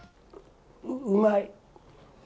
うまい。